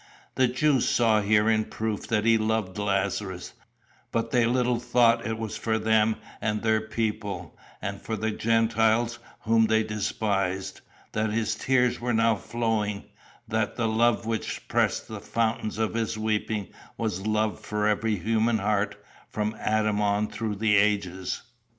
"The Jews saw herein proof that he loved Lazarus; but they little thought it was for them and their people, and for the Gentiles whom they despised, that his tears were now flowing that the love which pressed the fountains of his weeping was love for every human heart, from Adam on through the ages.